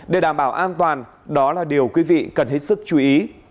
để đảm bảo an toàn đó là điều quý vị cần hết sức chú ý